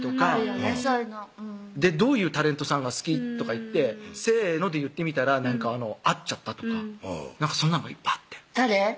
そういうの「どういうタレントさんが好き？」とか言って「せの」で言ってみたら合っちゃったとかそんなんがいっぱいあって誰？